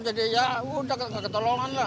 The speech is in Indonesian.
jadi ya udah nggak ketolongan lah